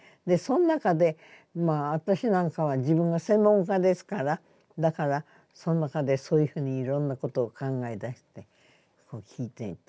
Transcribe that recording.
その中でまあ私なんかは自分が専門家ですからだからその中でそういうふうにいろんなことを考え出して弾いてみた。